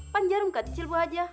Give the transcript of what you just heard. pan jarum kecil bu haji